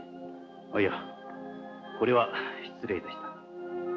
あいやこれは失礼いたした。